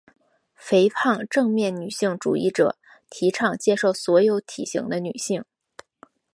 肥胖正面女性主义者提倡接受所有体型的女性。